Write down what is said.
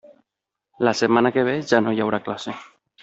La setmana que ve ja no hi haurà classe.